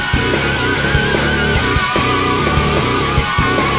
ดีดี